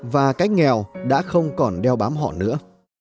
và cách nghèo đã không còn đeo bám họ nữa